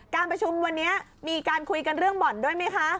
การประชุมวันนี้มีการคุยกันเรื่องบ่อนด้วยไหมคะ